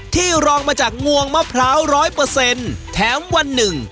รองมาจากงวงมะพร้าวร้อยเปอร์เซ็นต์แถมวันหนึ่ง